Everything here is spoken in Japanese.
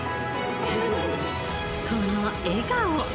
この笑顔！